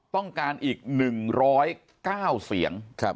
ต้องการอีก๑๐๙เสียง